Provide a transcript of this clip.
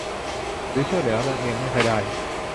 หรือช่วยเหลือตัวเองไม่ค่อยได้